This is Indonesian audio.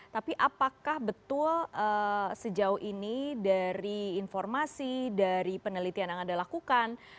tapi apakah betul sejauh ini dari informasi dari penelitian yang anda lakukan